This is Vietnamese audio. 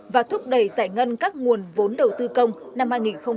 và thúc đẩy giải ngân các nguồn vốn đầu tư công năm hai nghìn hai mươi